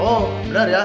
oh benar ya